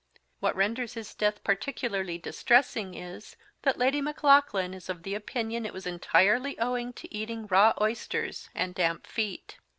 What renders his death Particularly distressing, is, that Lady Maclaughlan is of opinion it was entirely owing to eating Raw oysters, and damp feet.